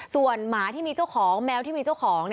ส่วนหมาที่มีเจ้าของแมวที่มีเจ้าของ